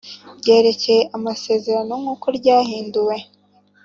ryerekeye amasezerano nk uko ryahinduwe